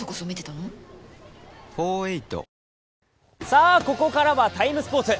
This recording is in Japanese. さあ、ここからは「ＴＩＭＥ，スポーツ」。